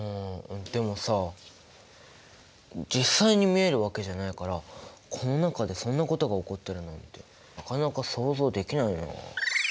でもさ実際に見えるわけじゃないからこの中でそんなことが起こってるなんてなかなか想像できないな。